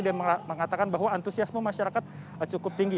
dan mengatakan bahwa antusiasme masyarakat cukup tinggi